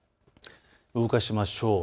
動かしましょう。